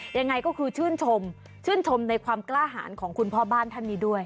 ยังไงก็คือชื่นชมชื่นชมในความกล้าหารของคุณพ่อบ้านท่านนี้ด้วย